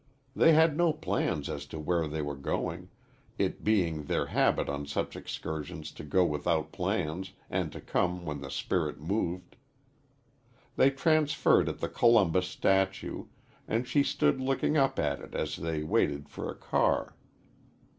They had no plans as to where they were going, it being their habit on such excursions to go without plans and to come when the spirit moved. They transferred at the Columbus statue, and she stood looking up at it as they waited for a car.